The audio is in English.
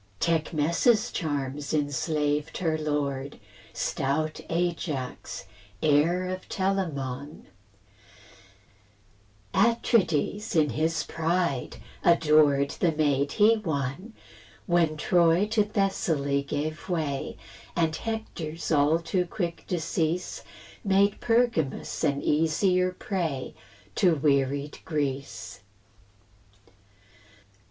Tecmessa's charms enslaved her lord, Stout Ajax, heir of Telamon; Atrides, in his pride, adored The maid he won, When Troy to Thessaly gave way, And Hector's all too quick decease Made Pergamus an easier prey To wearied Greece.